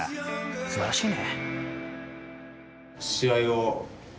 すばらしいね。